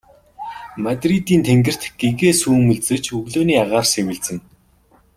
Мадридын тэнгэрт гэгээ сүүмэлзэж өглөөний агаар сэвэлзэнэ.